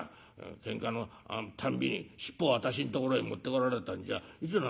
けんかのたんびに尻尾を私んところへ持ってこられたんじゃいくら